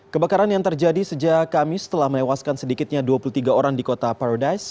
kebakaran yang terjadi sejak kamis telah menewaskan sedikitnya dua puluh tiga orang di kota paradise